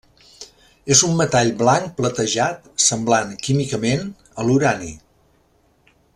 És un metall blanc platejat, semblant químicament a l'urani.